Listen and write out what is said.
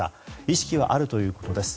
意識はあるということです。